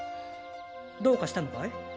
どうかしたのかい？